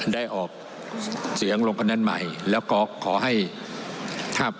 ได้ออกเสียงลงแคแนนใหม่แล้วก็ขอให้ถ้าปิดไปจากเดิม